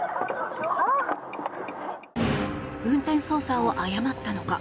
運転操作を誤ったのか。